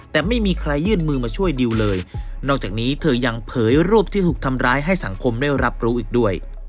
แต่ไม่มีใครยื่นมือมาช่วยดิวเลยนอกจากนี้เธอยังเผยรูปที่ถูกทำร้ายให้สังคมได้รับรู้อีกด้วย